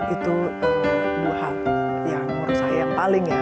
itu dua hal yang menurut saya yang paling ya